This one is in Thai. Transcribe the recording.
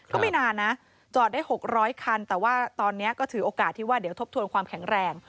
ก็ไม่นานนะจอดได้๖๐๐คันแต่ว่าตอนนี้ก็ถือโอกาสที่ว่าเดี๋ยวทบทวนความแข็งแรง